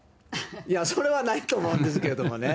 いや、それはないと思うんですけれどもね。